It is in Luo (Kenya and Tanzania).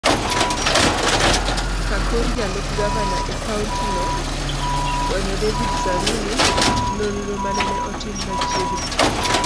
kakor jalup Gavana e kaonti no Bw.David Saruni nonro manene otim machiegni